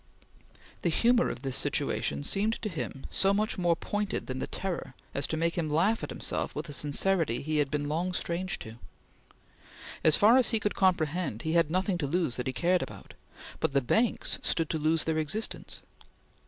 The humor of this situation seemed to him so much more pointed than the terror, as to make him laugh at himself with a sincerity he had been long strange to. As far as he could comprehend, he had nothing to lose that he cared about, but the banks stood to lose their existence.